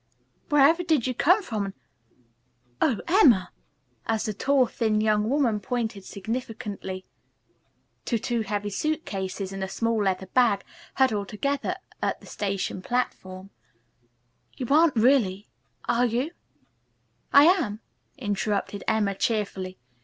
"Wherever did you come from and oh, Emma" as the tall thin young woman pointed significantly to two heavy suit cases and a small leather bag huddled together on the station platform "you aren't really are you " "I am," interrupted Emma cheerfully.